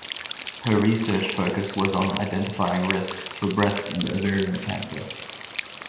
Her research focus was on identifying risk for breast and ovarian cancer.